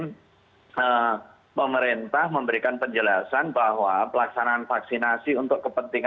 nah pemerintah memberikan penjelasan bahwa pelaksanaan vaksinasi untuk kepentingan